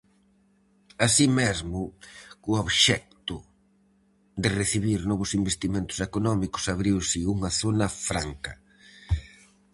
Así mesmo, co obxecto de recibir novos investimentos económicos, abriuse unha zona franca.